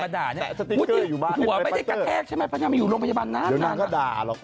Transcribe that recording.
อายุลงพยาบาลนานนานก็ด่าละ